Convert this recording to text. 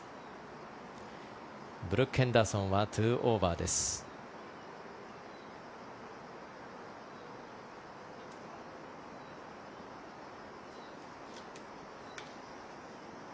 ブルック・ヘンダーソンは２オーバーです。